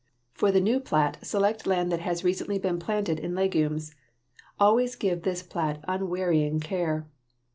For the new plat select land that has recently been planted in legumes. Always give this plat unwearying care.